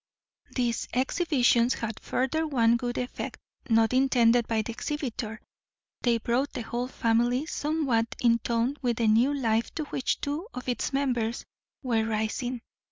These exhibitions had further one good effect, not unintended by the exhibitor; they brought the whole family somewhat in tone with the new life to which two of its members were rising.